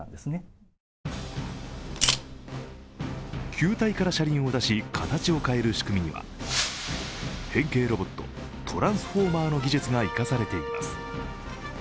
球体から車輪を出し、形を変える仕組みには変形ロボット、トランスフォーマーの技術が生かされています。